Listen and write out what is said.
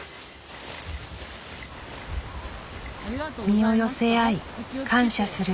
「身を寄せ合い感謝する」。